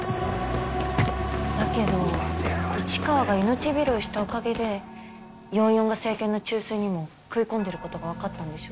だけど市川が命拾いしたおかげで４４が政権の中枢にも食い込んでいる事がわかったんでしょ？